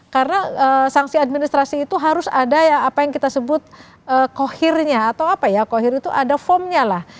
karena sanksi administrasi itu harus ada ya apa yang kita sebut kohearnya atau apa ya kohear itu ada formnya lah